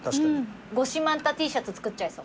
「ゴシマンタＴシャツ」作っちゃいそう。